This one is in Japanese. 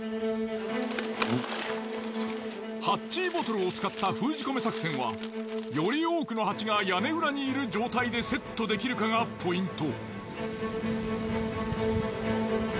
ハッチーボトルを使った封じ込め作戦はより多くのハチが屋根裏にいる状態でセットできるかがポイント。